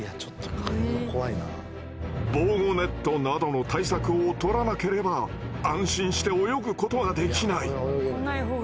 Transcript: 防護ネットなどの対策をとらなければ安心して泳ぐことはできない。